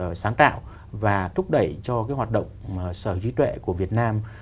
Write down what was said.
phải sáng tạo và thúc đẩy cho cái hoạt động sở hữu trí tuệ của việt nam